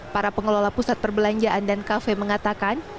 para pengelola pusat perbelanjaan dan kafe mengatakan